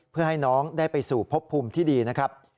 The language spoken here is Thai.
เพื่อให้น้องได้ไปสู่พบภูมิที่ดีนะครับ